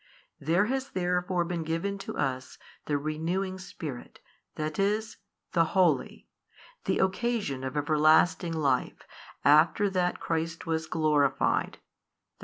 There has therefore been given to us the renewing Spirit, that is, the Holy, the occasion of everlasting life after that Christ was glorified, i.